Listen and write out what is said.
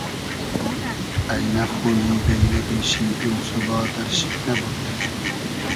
اݷنۂ خویی گݷنئگی شی ایم سوبا دئرشی نئبود